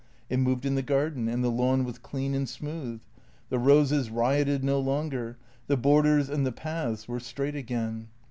It moved in the garden, and the lawn was clean and smooth ; the roses rioted no longer ; the borders and the paths were straight again.